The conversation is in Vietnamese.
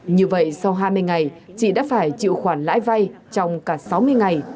như vậy sau hai mươi ngày chị đã phải chịu khoản lãi vay trong cả sáu mươi ngày